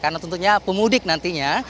karena tentunya pemudik nantinya